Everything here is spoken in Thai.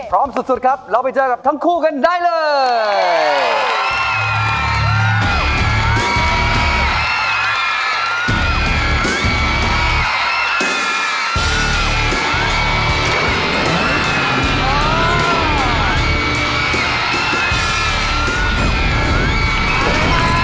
สุดครับเราไปเจอกับทั้งคู่กันได้เลย